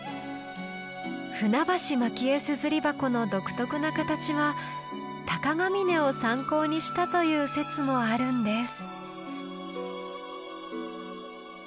「舟橋蒔絵硯箱」の独特な形は鷹ヶ峰を参考にしたという説もあるんです。